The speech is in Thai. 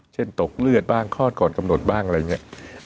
เช่นตกเลือดบ้างคลอดก่อนกำหนดบ้างอะไรอย่างนี้